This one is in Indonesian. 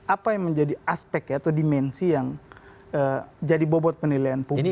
apa yang menjadi aspek atau dimensi yang jadi bobot penilaian publik